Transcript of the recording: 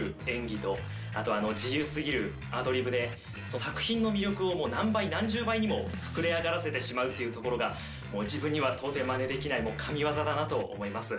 作品の魅力を何倍何十倍にも膨れ上がらせてしまうというところが自分には到底マネできない神業だなと思います。